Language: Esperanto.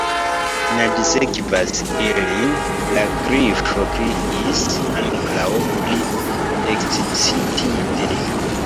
"Naĝsekvas ilin," la Grifo kriis, ankoraŭ pli ekscitite.